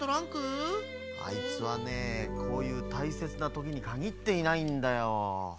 あいつはねこういうたいせつなときにかぎっていないんだよ。